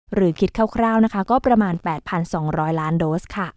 หรือคิดคร่าวนะคะก็ประมาณ๘๒๐๐ล้านโดสค่ะ